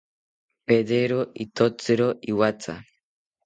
Pedero ithotziro iwatha